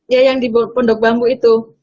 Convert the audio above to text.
ya yang di pondok bambu itu